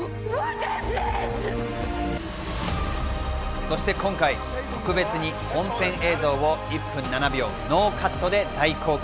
そして今回、特別に本編映像を１分７秒ノーカットで大公開！